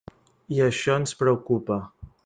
I això ens preocupa.